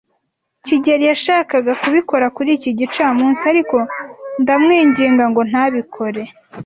kigeli yashakaga kubikora kuri iki gicamunsi, ariko ndamwinginga ngo ntabikore.